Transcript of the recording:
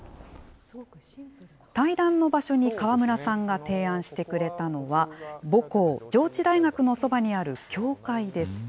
対談の場所に川村さんが提案してくれたのは、母校、上智大学のそばにある教会です。